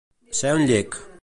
Ser un llec.